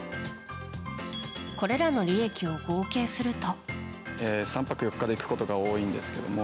これらの利益を合計すると。